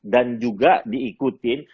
dan juga diikutin